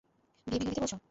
বিয়ে ভেঙে দিতে বলছো?